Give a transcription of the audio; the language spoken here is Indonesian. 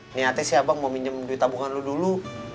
niatnya sih abang mau minjem duit tabungan lo dulu